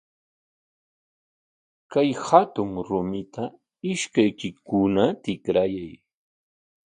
Kay hatun rumita ishkaykikuna tikrayay.